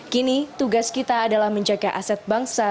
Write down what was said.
kini tugas kita adalah menjaga aset bangsa